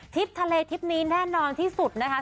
ทฤษภาพเทศนี้แน่นอนที่สุดนะครับ